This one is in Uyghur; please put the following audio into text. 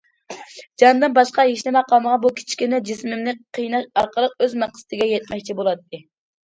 جاندىن باشقا ھېچنېمە قالمىغان بۇ كىچىككىنە جىسمىمنى قىيناش ئارقىلىق ئۆز مەقسىتىگە يەتمەكچى بولاتتى.